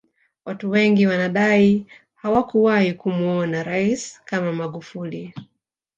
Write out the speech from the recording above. Watu wengi wanadai hawakuwahi kumuona rais kama magufuli